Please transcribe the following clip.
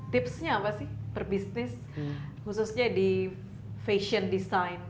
tips nya apa sih perbisnis khususnya di fashion design